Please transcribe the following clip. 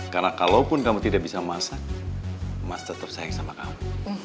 karena kalau pun kamu tidak bisa masak mas tetap sayang sama kamu